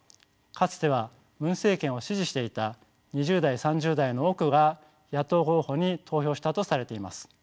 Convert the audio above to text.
かつてはムン政権を支持していた２０代３０代の多くが野党候補に投票したとされています。